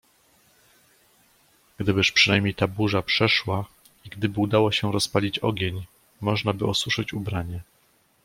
Gdybyż przynajmniej ta burza przeszła i gdyby udało się rozpalić ogień, możnaby osuszyć ubranie!